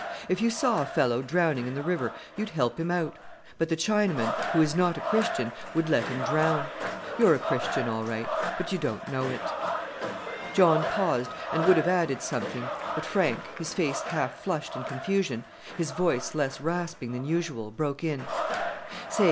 If you saw a fellow drowning in the river you'd help him out; but the Chinaman, who is not a Christian, would let him drown. You're a Christian all right; but you don't know it." John paused, and would have added something; but Frank, his face half flushed in confusion, his voice less rasping than usual, broke in, "Say!